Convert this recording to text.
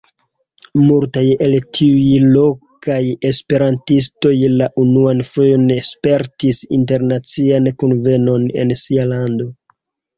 Multaj el tiuj lokaj esperantistoj la unuan fojon spertis internacian kunvenon en sia lando.